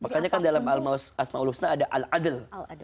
makanya kan dalam asma'ul husna ada al adl